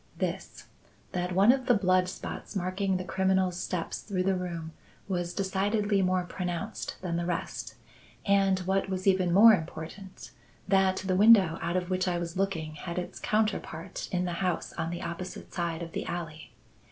"This: that one of the blood spots marking the criminal's steps through the room was decidedly more pronounced than the rest; and, what was even more important, that the window out of which I was looking had its counterpart in the house on the opposite side of the alley.